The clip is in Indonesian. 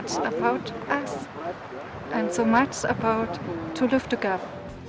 tentang kita tentang kehidupan